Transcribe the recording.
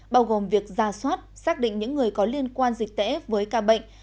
bao gồm việc ra soát xác định những người có liên quan dịch tễ với ca bệnh